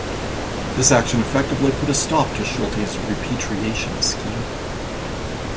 This action effectively put a stop to Schulte's repatriation scheme.